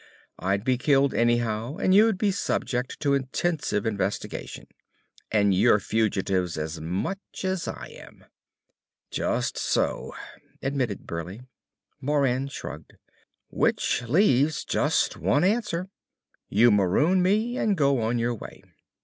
"I'd be killed anyhow and you'd be subject to intensive investigation. And you're fugitives as much as I am." "Just so," admitted Burleigh. Moran shrugged. "Which leaves just one answer. You maroon me and go on your way."